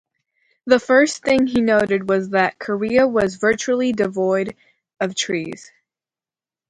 The first thing he noted was that Korea was virtually devoid of trees.